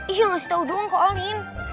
iya ngasih tau doang kok olin